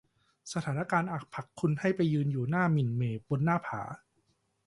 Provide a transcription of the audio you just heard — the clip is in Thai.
สถานการณ์อาจผลักคุณไปยืนอยู่หมิ่นเหม่บนหน้าผา